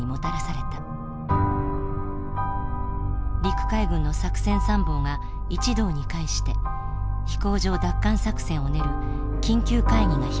陸海軍の作戦参謀が一堂に会して飛行場奪還作戦を練る緊急会議が開かれた。